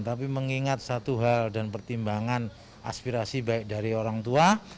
tapi mengingat satu hal dan pertimbangan aspirasi baik dari orang tua